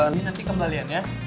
ini nanti kembalian ya